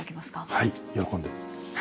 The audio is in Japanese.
はい喜んで。